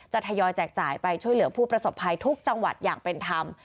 ทยอยแจกจ่ายไปช่วยเหลือผู้ประสบภัยทุกจังหวัดอย่างเป็นธรรม